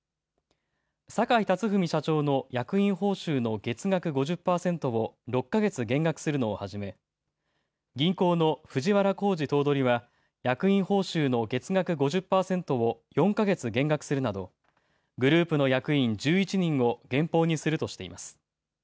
坂井辰史社長の役員報酬の月額５０％を６か月減額するのをはじめ銀行の藤原弘治頭取は役員報酬の月額５０％を４か月減額するなどグループの役員１１人を減俸にするとしています。